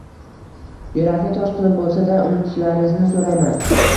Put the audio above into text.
Yurakni tosh qilib bo’lsa-da unutishlarizni so’rayman.